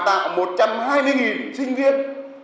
đào tạo một trăm hai mươi sinh viên